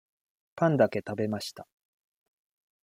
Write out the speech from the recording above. パンだけ食べました。